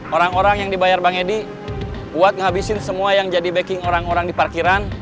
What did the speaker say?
orang orang yang dibayar bang edi buat ngabisin semua yang jadi backing orang orang di parkiran